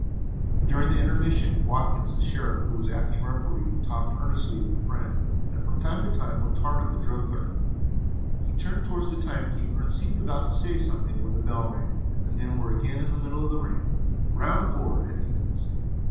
During the intermission Watkins, the sheriff, who was acting as Referee, talked earnestly with a friend, and from time to time looked hard at the drug clerk. He turned towards the time keeper and seemed about to say something, when the bell rang and the men were again in the middle of the ring. Round 4 had commenced.